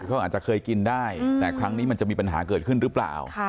เขาอาจจะเคยกินได้แต่ครั้งนี้มันจะมีปัญหาเกิดขึ้นหรือเปล่า